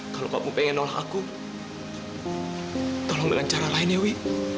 kalau kamu pengen nolak aku tolong dengan cara lain ya wi